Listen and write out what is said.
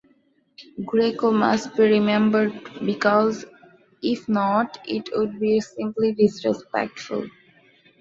Greco must be remembered because if not it would be simply disrespectful.